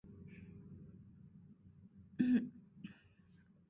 大齿山芹是伞形科当归属的植物。